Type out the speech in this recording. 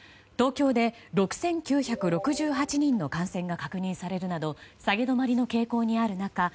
東京で６９６８人の感染が確認されるなど下げ止まりの傾向にある中